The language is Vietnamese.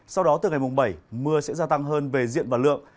sau đó từ ngày mùng bảy mưa sẽ gia tăng hơn về diện và lượng